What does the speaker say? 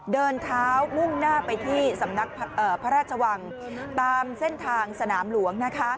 เดินเท้ามุ่งหน้าไปที่สำนักพระราชวังตามเส้นทางสนามหลวง